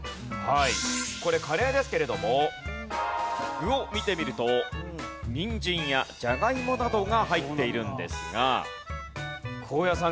これカレーですけれども具を見てみるとニンジンやジャガイモなどが入っているんですが。